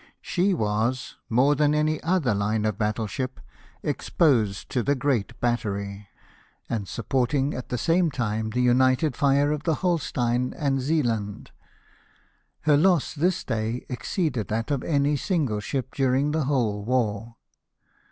She was, more than any other line of battle ship, exposed to the great battery ; and sup porting at the same time the united fire of the Holstein and the Zealand, her loss this day exceeded that of any single ship during the whole war.